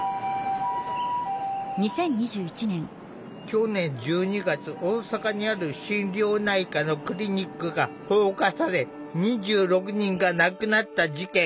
去年１２月大阪にある心療内科のクリニックが放火され２６人が亡くなった事件。